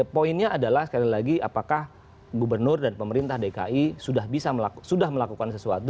poinnya adalah sekali lagi apakah gubernur dan pemerintah dki sudah melakukan sesuatu